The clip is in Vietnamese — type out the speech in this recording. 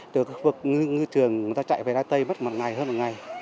từ khu vực ngư trường chúng ta chạy về đá tây mất một ngày hơn một ngày